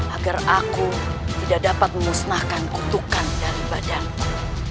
agar aku tidak dapat memusnahkan kutukan dari badanku